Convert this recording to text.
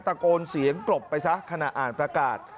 ตะโกนเสียงกลบไปซะขณะอ่านประกาศ